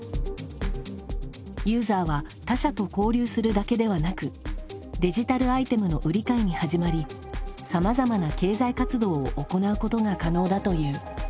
ユーザーは他者と交流するだけではなくデジタルアイテムの売り買いに始まりさまざまな経済活動を行うことが可能だという。